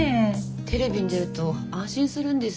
テレビに出ると安心するんです